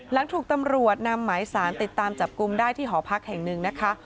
หลังถูกตำรวจนำหมายสารติดตามจับกลุ่มได้ที่หอพักแห่งหนึ่งนะคะ